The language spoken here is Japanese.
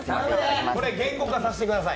これを言語化させてください。